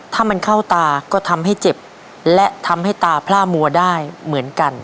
ถ้ามันเข้าตาก็ทำให้เจ็บและทำให้ตาพล่ามัวได้เหมือนกัน